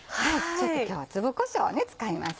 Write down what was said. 今日は粒こしょうを使います。